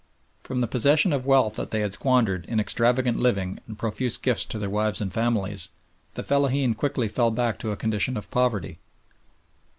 From the possession of wealth that they had squandered in extravagant living and profuse gifts to their wives and families, the fellaheen quickly fell back to a condition of poverty.